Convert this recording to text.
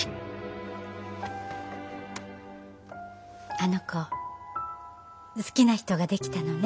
あの子好きな人ができたのね。